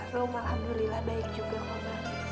rom alhamdulillah baik juga rom